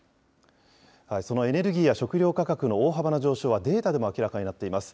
そのエネルギーや食料価格の大幅な上昇はデータでも明らかになっています。